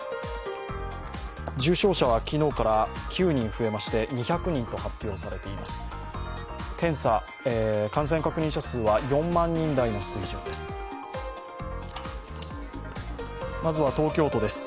重症者は昨日から９人増えて２００人と発表されています。